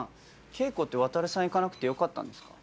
稽古って渉さん行かなくてよかったんですか？